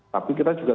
tapi kita juga